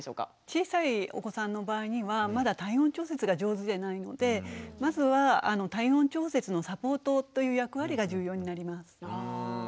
小さいお子さんの場合にはまだ体温調節が上手でないのでまずは体温調節のサポートという役割が重要になります。